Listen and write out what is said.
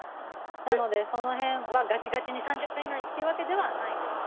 なのでそのへんは、がちがちに３０分以内っていうわけではないですね。